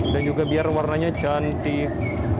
dan juga biar warnanya cantik